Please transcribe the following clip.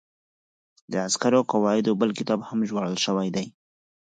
د عسکري قواعدو بل کتاب هم ژباړل شوی دی.